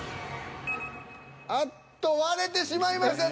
あっと割れてしまいました。